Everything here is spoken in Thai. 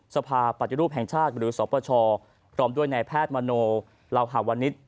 สภาปัจจุรูปแห่งชาติหรือสปชรวมด้วยนายแพทย์มโนลาวหาวนิต